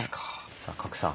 さあ賀来さん